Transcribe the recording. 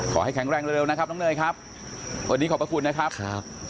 ขอให้แข็งแรงเร็วนะครับน้องเนยครับวันนี้ขอบพระคุณนะครับ